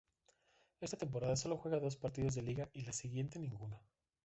Esa temporada solo juega dos partidos de liga y la siguiente ninguno.